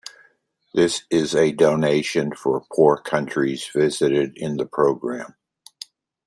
This is a donation for poor countries visited in the program.